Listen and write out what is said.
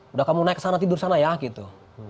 udah kamu naik ke sana tidur sana ya gitu